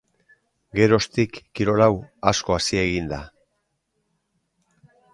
Geroztik kirol hau asko hasi egin da.